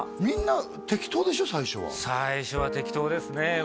みんな適当でしょ最初は最初は適当ですね